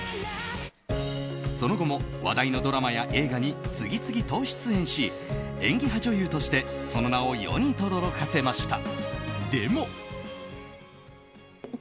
その後も話題のドラマや映画に次々と出演し演技派女優としてその名を世にとどろかせました。